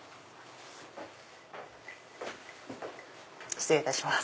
失礼いたします。